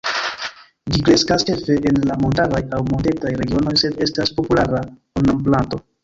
Ĝi kreskas ĉefe en la montaraj aŭ montetaj regionoj, sed estas populara ornamplanto.